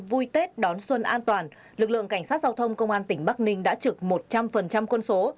vui tết đón xuân an toàn lực lượng cảnh sát giao thông công an tỉnh bắc ninh đã trực một trăm linh quân số